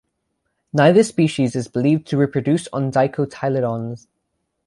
Neither species is believed to reproduce on dicotyledons.